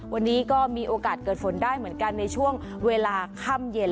วันนี้ก็มีโอกาสเกิดฝนได้เหมือนกันในช่วงเวลาค่ำเย็น